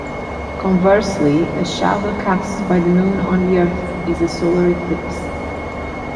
Conversely, a shadow cast by the Moon on the Earth is a solar eclipse.